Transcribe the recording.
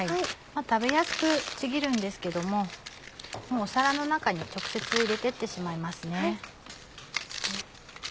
食べやすくちぎるんですけどももう皿の中に直接入れてってしまいますね。